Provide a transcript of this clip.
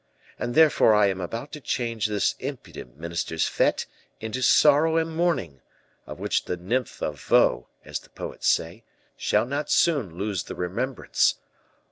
And therefore I am about to change this impudent minister's fete into sorrow and mourning, of which the nymph of Vaux, as the poets say, shall not soon lose the remembrance."